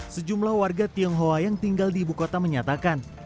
sejumlah warga tionghoa yang tinggal di ibu kota menyatakan